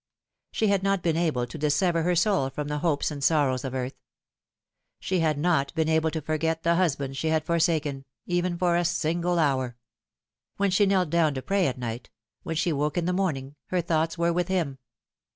She had not been able to dissever her soul from the hopes and sorrows of earth. She had not been able to forget the husband she had forsaken even for a single hour. When she knelt down to pray at night, when she woke in the morning, her thoughts were with him.